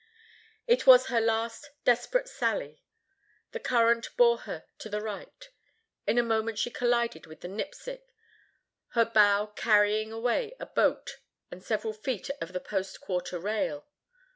It was her last desperate sally. The current bore her to the right. In a moment she collided with the Nipsic, her bow carrying away a boat and several feet of the post quarter rail.